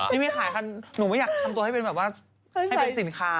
นี่ไม่ขายกันหนูไม่อยากทำตัวให้เป็นแบบว่าให้เป็นสินค้า